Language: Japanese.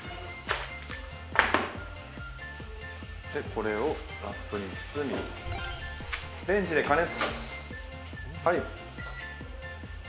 これをラップに包んでレンジで加熱！